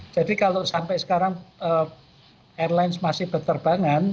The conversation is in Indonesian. jadi kalau sampai sekarang airlines masih berterbangan